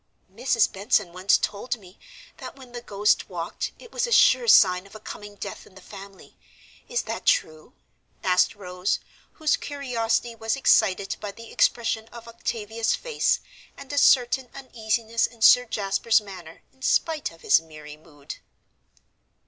"Mrs. Benson once told me that when the ghost walked, it was a sure sign of a coming death in the family. Is that true?" asked Rose, whose curiosity was excited by the expression of Octavia's face, and a certain uneasiness in Sir Jasper's manner in spite of his merry mood.